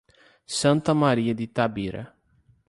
Santa Maria de Itabira